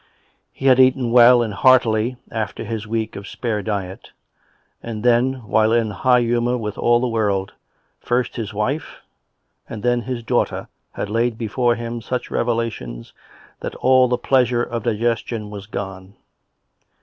He had eaten well and heartily after his week of spare diet, and then, while in high humour with all the world, first his wife and then his daughter had laid before him such revelations? that all the pleasure of digestion was gone.